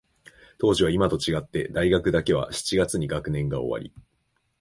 当時は、いまと違って、大学だけは七月に学年が終わり、